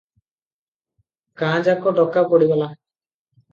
ଗାଁଯାକ ଡକା ପଡିଗଲା ।